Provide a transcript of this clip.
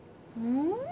うん？